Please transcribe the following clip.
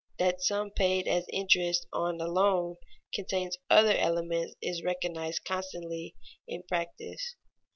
That the sum paid as interest on a loan contains other elements is recognized constantly in practice.